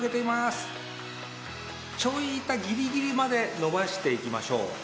ちょい痛ぎりぎりまで伸ばしていきましょう。